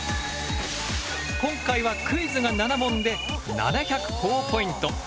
今回はクイズが７問で７００ほぉポイント。